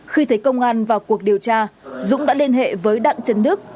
khi thấy công an vào cuộc điều tra dũng đã liên hệ với đặng trần đức